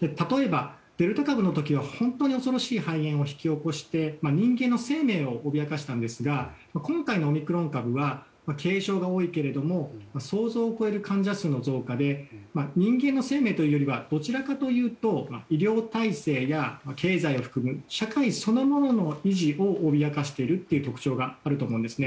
例えば、デルタ株の時は本当に恐ろしい肺炎を引き起こして人間の生命を脅かしたんですが今回のオミクロン株は軽症が多いけれど想像を超える患者数の増加で人間の生命というよりはどちらかというと医療体制や経済を含む社会そのものの維持を脅かしている特徴があると思うんですね。